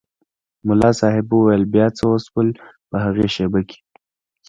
ملا صاحب وویل بیا څه وشول په هغې شېبه کې.